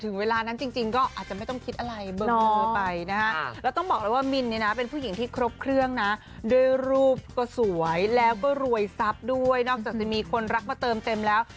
เวลานั้นจริงก็อาจจะไม่ต้องคิดอะไรเบอร์ไปนะฮะแล้วต้องบอกเลยว่ามินเนี่ยนะเป็นผู้หญิงที่ครบเครื่องนะด้วยรูปก็สวยแล้วก็รวยทรัพย์ด้วยนอกจากจะมีคนรักมาเติมเต็มแล้ว